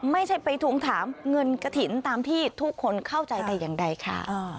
ไม่ใช่ไปทวงถามเงินกระถิ่นตามที่ทุกคนเข้าใจแต่อย่างใดค่ะ